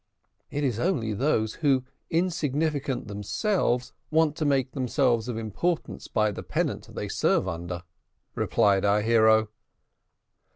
"It is only those who, insignificant themselves, want to make themselves of importance by the pennant they serve under," replied our hero.